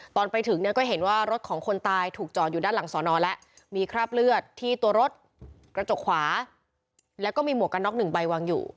ตอนไปถึงเนี่ยก็เห็นว่ารถของคนตายถูกจอดอยู่ด้านหลังสอนอแล้วมีคราบเลือดที่ตัวรถกระจกขวาแล้วก็มีหมวกกันน็อกหนึ่งใบวางอยู่